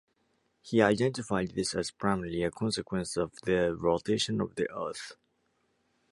He identified this as primarily a consequence of the rotation of the earth.